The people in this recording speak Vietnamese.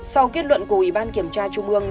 sau kết luận của ủy ban kiểm tra trung ương